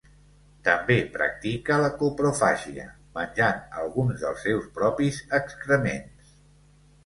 També practica la coprofàgia, menjant alguns dels seus propis excrements.